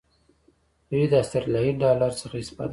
دوی د آسترالیایي ډالر څخه استفاده کوي.